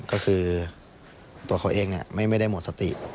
ก็คือตัวเขาเองไม่ได้หมดสติ